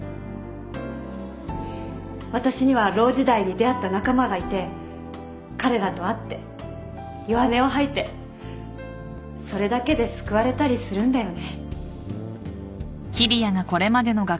私にはロー時代に出会った仲間がいて彼らと会って弱音を吐いてそれだけで救われたりするんだよね。